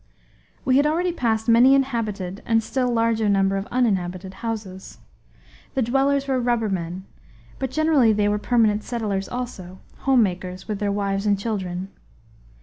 We had already passed many inhabited and a still larger number of uninhabited houses. The dwellers were rubbermen, but generally they were permanent settlers also, homemakers, with their wives and children.